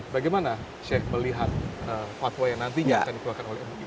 bagaimana sheikh melihat fatwa yang nantinya akan dikeluarkan oleh mui